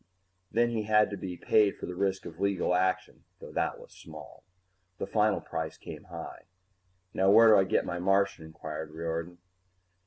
Then he had to be paid for the risk of legal action, though that was small. The final price came high. "Now, where do I get my Martian?" inquired Riordan.